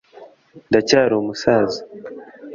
ndacyari umusaza.